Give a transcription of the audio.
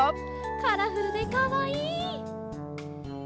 カラフルでかわいい！